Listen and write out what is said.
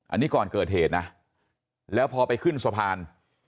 อันนี้ก่อนเกิดเหตุนะแล้วพอไปขึ้นสะพาน